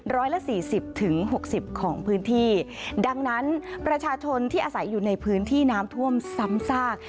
ร้อยละสี่สิบถึงหกสิบของพื้นที่ดังนั้นประชาชนที่อาศัยอยู่ในพื้นที่น้ำท่วมซ้ำซาก